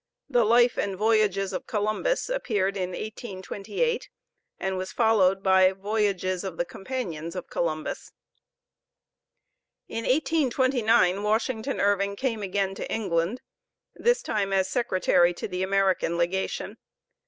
"The Life and Voyages of Columbus" appeared in 1828, and was followed by "Voyages of the Companions of Columbus." In 1829 Washington Irving came again to England, this time as Secretary to the American Legation.